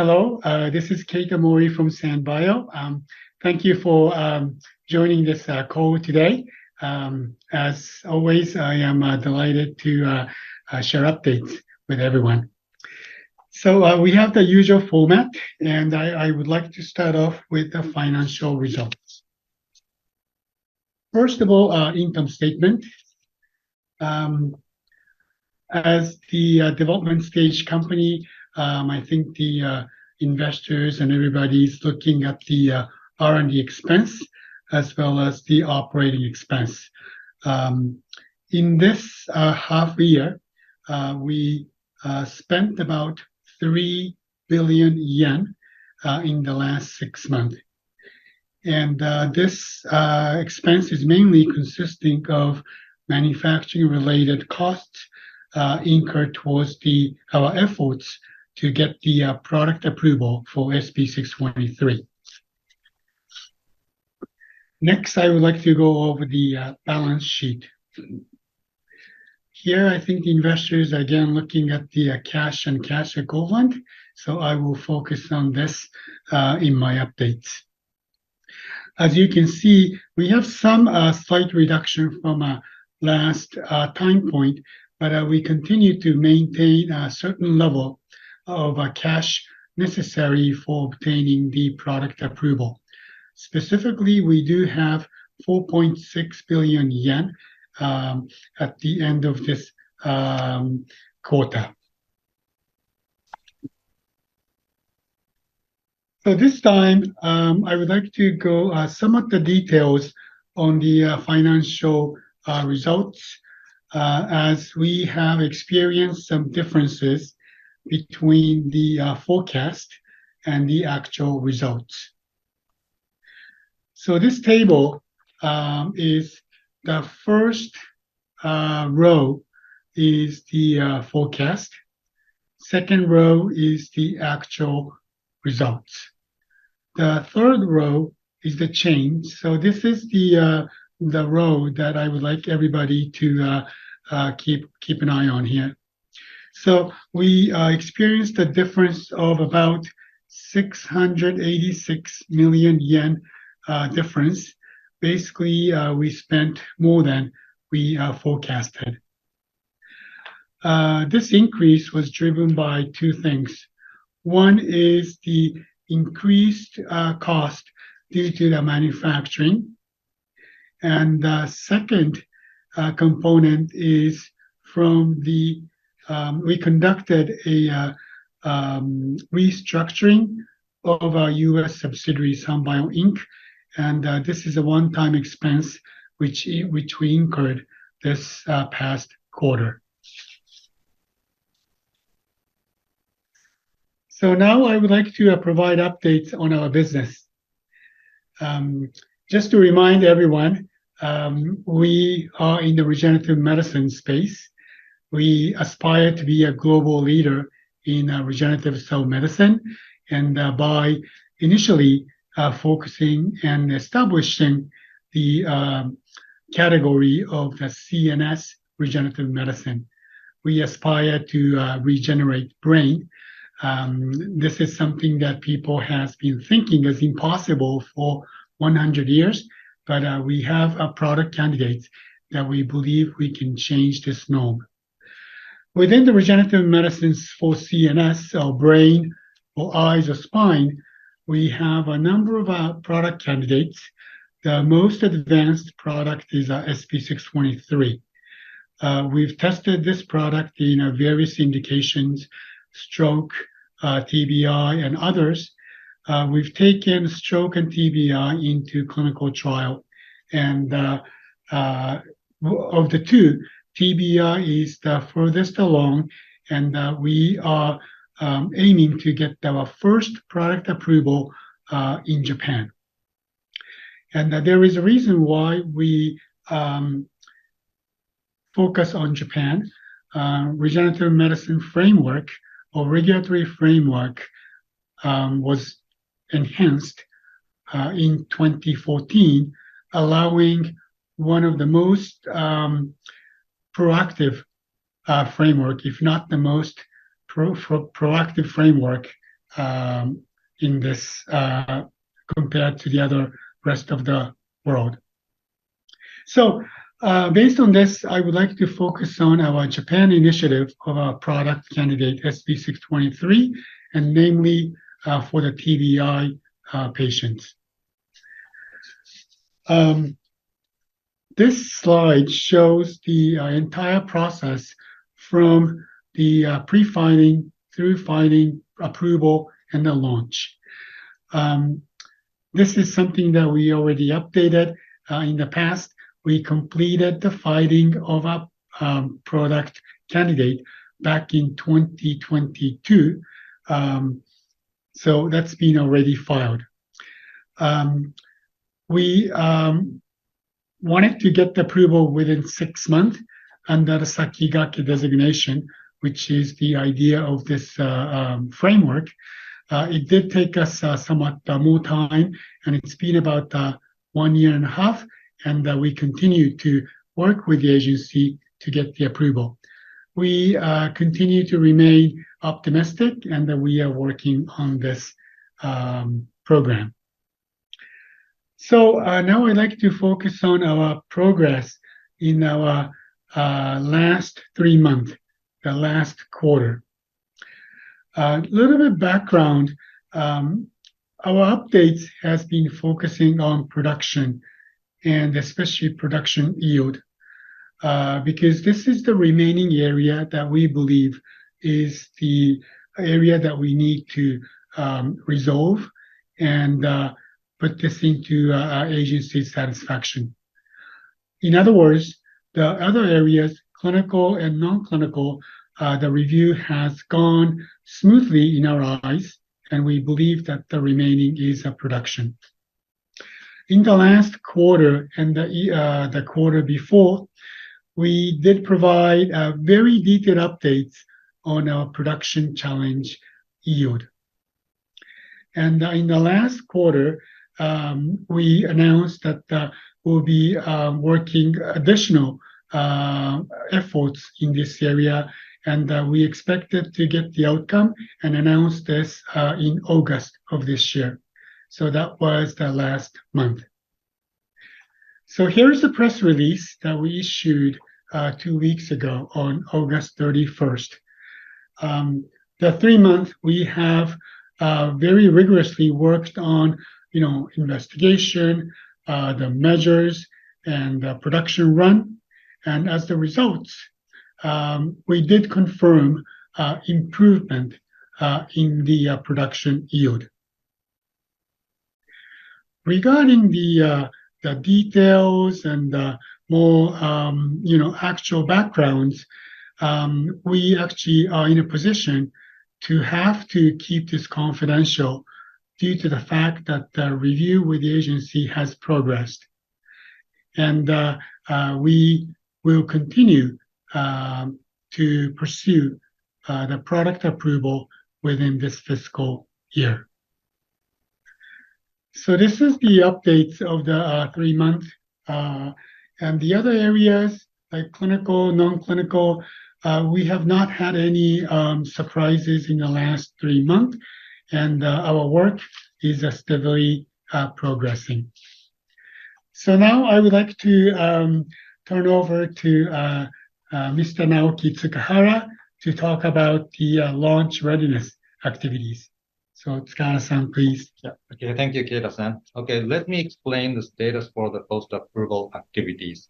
Hello. This is Keiko Mori from SanBio. Thank you for joining this call today. As always, I am delighted to share updates with everyone. We have the usual format, and I would like to start off with the financial results. First of all, our income statement. As the development stage company, I think the investors and everybody is looking at the R&D expense as well as the operating expense. In this half year, we spent about ¥3 billion in the last six months, and this expense is mainly consisting of manufacturing-related costs incurred towards our efforts to get the product approval for SB623. Next, I would like to go over the balance sheet. Here, I think the investors are again looking at the cash and cash equivalent, so I will focus on this in my updates. As you can see, we have some slight reduction from our last time point, but we continue to maintain a certain level of cash necessary for obtaining the product approval. Specifically, we do have ¥4.6 billion at the end of this quarter. This time, I would like to go into some of the details on the financial results as we have experienced some differences between the forecast and the actual results. This table is the first row is the forecast, the second row is the actual results, the third row is the change. This is the row that I would like everybody to keep an eye on here. We experienced a difference of about ¥686 million difference. Basically, we spent more than we forecasted. This increase was driven by two things. One is the increased cost due to the manufacturing, and the second component is from the we conducted a restructuring of our U.S. subsidiary SanBio Inc., and this is a one-time expense which we incurred this past quarter. Now I would like to provide updates on our business. Just to remind everyone, we are in the regenerative medicine space. We aspire to be a global leader in regenerative cell medicine by initially focusing and establishing the category of the CNS regenerative medicine. We aspire to regenerate brain. This is something that people have been thinking is impossible for 100 years, but we have product candidates that we believe we can change this norm. Within the regenerative medicines for CNS, so brain or eyes or spine, we have a number of product candidates. The most advanced product is our SB623. We've tested this product in various indications: stroke, TBI, and others. We've taken stroke and TBI into clinical trial, and of the two, TBI is the furthest along, and we are aiming to get our first product approval in Japan. There is a reason why we focus on Japan. The regenerative medicine framework or regulatory framework was enhanced in 2014, allowing one of the most proactive frameworks, if not the most proactive framework in this, compared to the other rest of the world. Based on this, I would like to focus on our Japan initiative of our product candidate SB623, and namely for the TBI patients. This slide shows the entire process from the pre-filing, through filing, approval, and the launch. This is something that we already updated in the past. We completed the filing of a product candidate back in 2022, so that's been already filed. We wanted to get the approval within six months under the Sakigake designation, which is the idea of this framework. It did take us somewhat more time, and it's been about one year and a half, and we continue to work with the agency to get the approval. We continue to remain optimistic, and we are working on this program. Now I'd like to focus on our progress in our last three months, the last quarter. A little bit of background. Our update has been focusing on production, and especially production yield, because this is the remaining area that we believe is the area that we need to resolve and put this into our agency's satisfaction. In other words, the other areas, clinical and non-clinical, the review has gone smoothly in our eyes, and we believe that the remaining is production. In the last quarter and the quarter before, we did provide very detailed updates on our production challenge yield. In the last quarter, we announced that we'll be working additional efforts in this area, and we expected to get the outcome and announce this in August of this year. That was the last month. Here is a press release that we issued two weeks ago on August 31. The three months we have very rigorously worked on investigation, the measures, and the production run. As the results, we did confirm improvement in the production yield. Regarding the details and the more actual backgrounds, we actually are in a position to have to keep this confidential due to the fact that the review with the agency has progressed, and we will continue to pursue the product approval within this fiscal year, so this is the updates of the three months. The other areas, like clinical, non-clinical, we have not had any surprises in the last three months, and our work is steadily progressing. I would like to turn over to Mr. Naoki Tsukahara to talk about the launch readiness activities. Tsukahara, please. Yeah. Okay. Thank you, Keiko. Okay. Let me explain the status for the post-approval activities.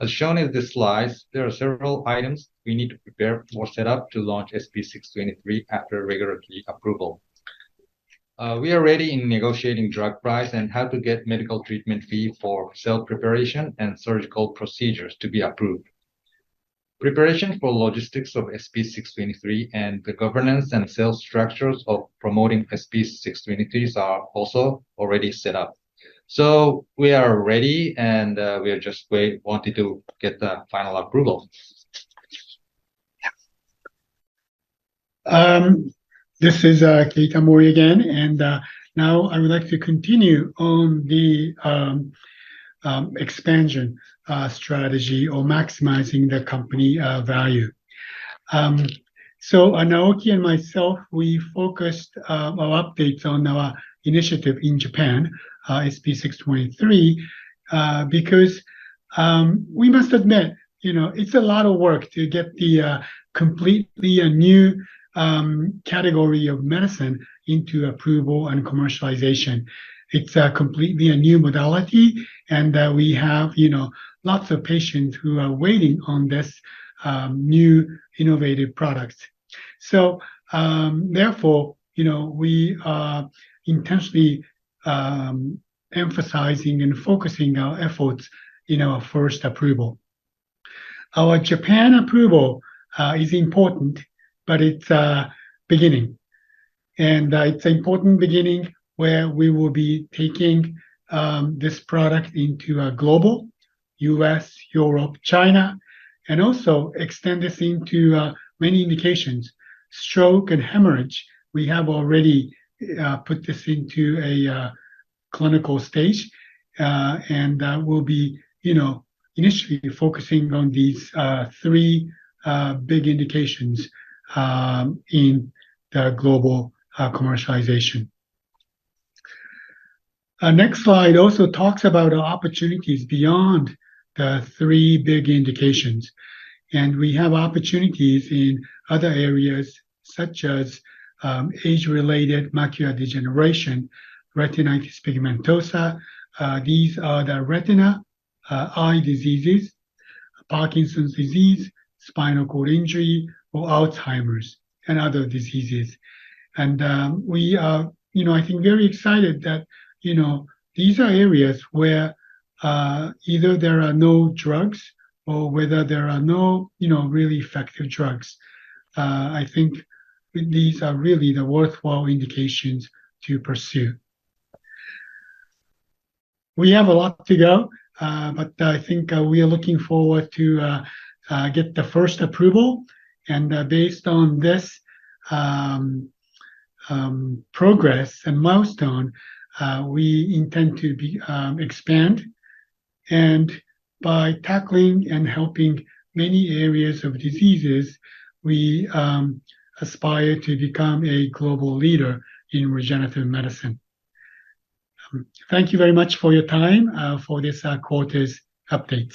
As shown in this slide, there are several items we need to prepare or set up to launch SB623 after regulatory approval. We are already in negotiating drug pricing and how to get medical treatment fee for cell preparation and surgical procedures to be approved. Preparation for logistics of SB623 and the governance structures of promoting SB623 are also already set up, so we are ready, and we are just waiting to get the final approval. This is Keiko Mori again, and now I would like to continue on the expansion strategy or maximizing the company value. Naoki and myself, we focused our updates on our initiative in Japan, SB623, because we must admit, you know, it's a lot of work to get the completely new category of medicine into approval and commercialization. It's a completely new modality, and we have lots of patients who are waiting on this new innovative product. Therefore, you know, we are intentionally emphasizing and focusing our efforts in our first approval. Our Japan approval is important, but it's a beginning. It's an important beginning where we will be taking this product into a global U.S., Europe, China, and also extend this into many indications. Stroke and hemorrhage, we have already put this into a clinical stage, and that will be, you know, initially focusing on these three big indications in the global commercialization. Our next slide also talks about opportunities beyond the three big indications, and we have opportunities in other areas such as age-related macular degeneration, retinitis pigmentosa. These are the retina eye diseases, Parkinson's disease, spinal cord injury, or Alzheimer's and other diseases. We are, you know, I think, very excited that, you know, these are areas where either there are no drugs or whether there are no, you know, really effective drugs. I think these are really the worthwhile indications to pursue. We have a lot to go, but I think we are looking forward to get the first approval, and based on this progress and milestone, we intend to expand. By tackling and helping many areas of diseases, we aspire to become a global leader in regenerative medicine. Thank you very much for your time for this quarter's update.